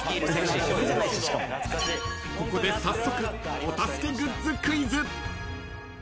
［ここで早速お助けグッズ］